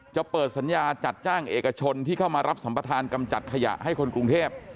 จะเปิดสัญญาจัดจ้างเอกชนที่เข้ามารับสัมประธานกำจัดขยะให้คนกรุงเทพ